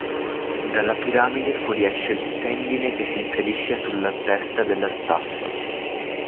Dalla piramide fuoriesce il tendine che si inserisce sulla testa della staffa.